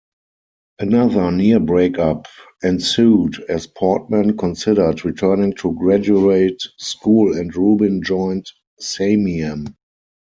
Another near-breakup ensued as Portman considered returning to graduate school and Rubin joined Samiam.